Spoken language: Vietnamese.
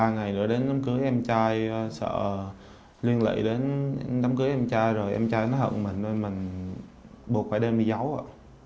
ba ngày rồi đến đám cưới em trai sợ luyên lệ đến đám cưới em trai rồi em trai nó hận mình rồi mình buộc phải đêm đi giấu ạ